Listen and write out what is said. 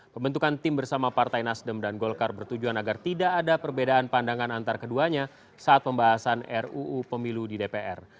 pembentukan tim bersama partai nasdem dan golkar bertujuan agar tidak ada perbedaan pandangan antar keduanya saat pembahasan ruu pemilu di dpr